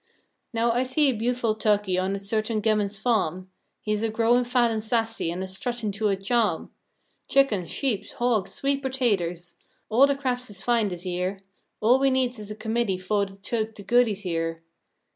"Now, I seed a beau'ful tuhkey on a certain gemmun's fahm. He's a growin' fat an' sassy, an' a struttin' to a chahm. Chickens, sheeps, hogs, sweet pertaters all de craps is fine dis year; All we needs is a committee foh to tote de goodies here."